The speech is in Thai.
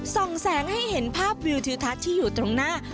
แสงให้เห็นภาพวิวทิวทัศน์ที่อยู่ตรงหน้า